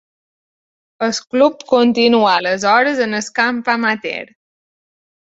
El club continuà aleshores en el camp amateur.